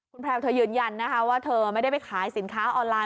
คุณแพลวเธอยืนยันนะคะว่าเธอไม่ได้ไปขายสินค้าออนไลน